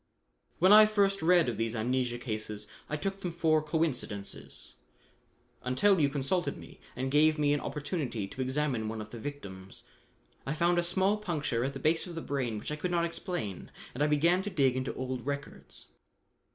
"When I first read of these amnesia cases, I took them for coincidences until you consulted me and gave me an opportunity to examine one of the victims. I found a small puncture at the base of the brain which I could not explain, and I began to dig into old records.